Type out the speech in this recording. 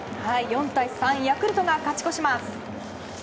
４対３ヤクルトが勝ち越します。